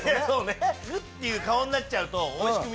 そうねグッていう顔になっちゃうと。